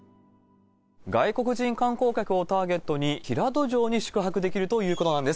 外国人観光客をターゲットに、平戸城に宿泊できるということなんです。